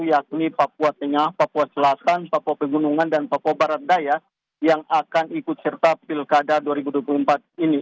yakni papua tengah papua selatan papua pegunungan dan papua barat daya yang akan ikut serta pilkada dua ribu dua puluh empat ini